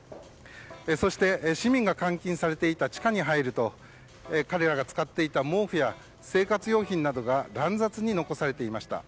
そして、市民が監禁されていた地下に入ると彼らが使っていた毛布や生活用品などが乱雑に残されていました。